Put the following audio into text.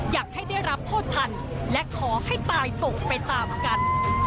อยากให้ได้รับโทษทันและขอให้ตายตกไปตามกัน